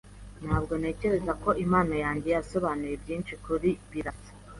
Ntabwo ntekereza ko impano yanjye yasobanuye byinshi kuri Birasa.